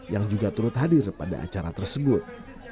yang juga turut hadir pada acara tersebut